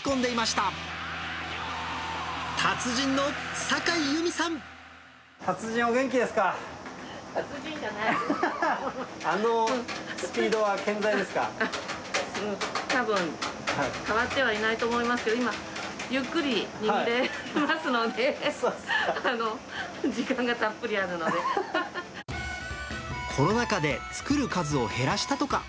たぶん、変わってはいないと思いますけど、今、ゆっくり握っていますので、コロナ禍で、作る数を減らしたとか。